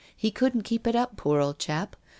He couldn't keep it up, poor old fellow.